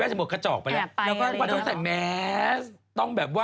แปลกคืออะไรนะคะ